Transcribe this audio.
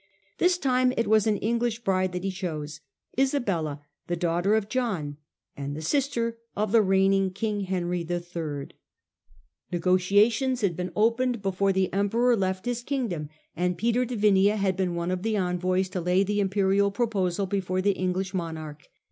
This time it was an English bride that he chose, Isabella, the daughter of John and the sister of the reigning King Henry III. 136 STUPOR MUNDI Negotiations had been opened before the Emperor left his Kingdom, and Peter de Vinea had been one of the envoys to lay the Imperial proposal before the English monarch.